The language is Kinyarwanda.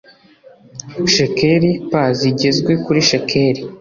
shekeli p zigezwe kuri shekeli